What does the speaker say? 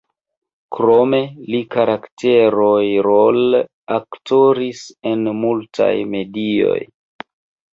Krome li karakteroj-role aktoris en multaj komedioj.